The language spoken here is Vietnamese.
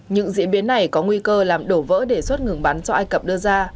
những diễn biến này có nguy cơ làm đổ vỡ đề xuất ngừng bắn cho ai cập đưa ra